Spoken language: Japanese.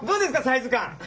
サイズ感。